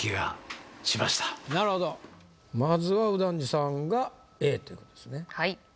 なるほどまずは右團次さんがＡということですね